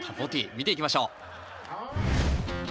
見ていきましょう。